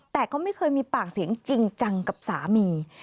แต่ก็ไม่เคยมีปากเสียงจริงจังกับสามี